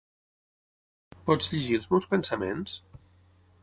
Pots llegir els meus pensaments?